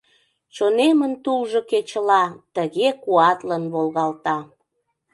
Чонемын тулжо кечыла Тыге куатлын волгалта.